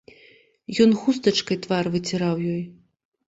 Ён хустачкай твар выціраў ёй.